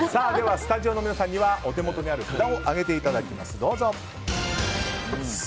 スタジオの皆さんにはお手元にある札を上げていただきます。